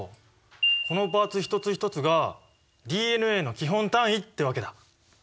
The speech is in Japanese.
このパーツ一つ一つがＤＮＡの基本単位ってわけだ。